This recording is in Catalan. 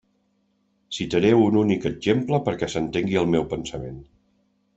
Citaré un únic exemple perquè s'entengui el meu pensament.